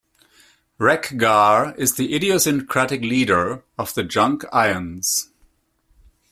Wreck-Gar is the idiosyncratic leader of the Junkions.